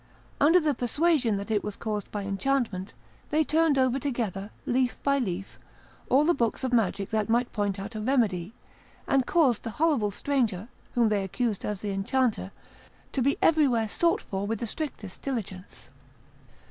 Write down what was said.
Under the persuasion that it was caused by enchantment, they turned over together, leaf by leaf, all the books of magic that might point out a remedy, and caused the horrible stranger, whom they accused as the enchanter, to be everywhere sought for with the strictest diligence.